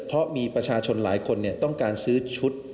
เพราะมีประชาชนหลายคนต้องการซื้อชุด